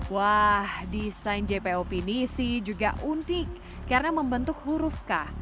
wah desain jpo pinisi juga unik karena membentuk huruf k